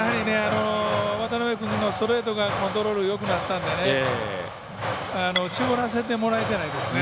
渡邊君のストレートがコントロール、よくなったので絞らせてもらってないですね。